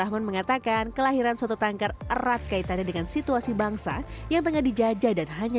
mengatakan kelahiran soto tangkar erat kaitannya dengan situasi bangsa yang tengah dijajah dan hanya